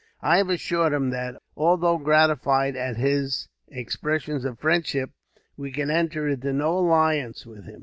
I have assured him that, although gratified at his expressions of friendship, we can enter into no alliance with him.